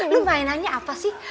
lu mainannya apa sih